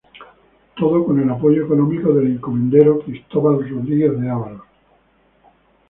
Todo con el apoyo económico del encomendero Cristóbal Rodríguez de Ávalos.